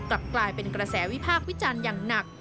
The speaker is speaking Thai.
กลับกลายเป็นกระแสวิภาควิจันทร์อย่างหนัก